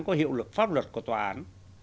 có hiệu lực pháp luật của tòa án